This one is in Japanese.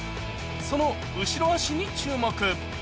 その後ろ足に注目。